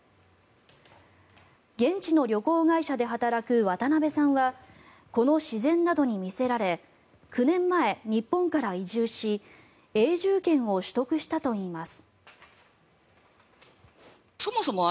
現地の旅行会社で働く渡辺さんはこの自然などに魅せられ９年前、日本から移住し永住権を取得したといいます。